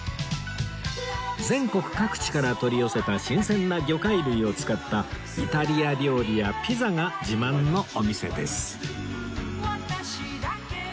全国各地から取り寄せた新鮮な魚介類を使ったイタリア料理やピザが自慢のお店です